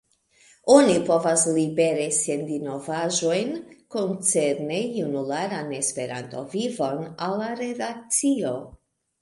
Oni povas libere sendi novaĵojn koncerne junularan Esperanto-vivon al la redakcio.